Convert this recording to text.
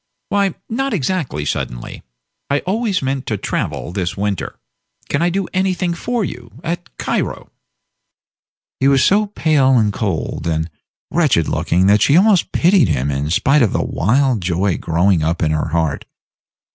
"Why not exactly suddenly. I always meant to travel this winter. Can I do anything for you at Cairo?" He was so pale, and cold, and wretched looking that she almost pitied him in spite of the wild joy growing up in her heart.